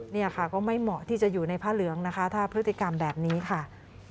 เนี่ยค่ะก็ไม่เหมาะที่จะอยู่ในผ้าเหลืองนะคะถ้าพฤติกรรมแบบนี้ค่ะ